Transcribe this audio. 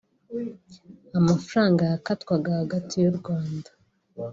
amafaranga yakatwaga hagati y’u Rwanda